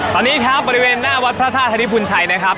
ตอนนี้ครับบริเวณหน้าวัดพระธาตุธนิพุนชัยนะครับ